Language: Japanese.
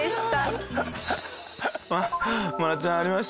真夏ちゃんありました？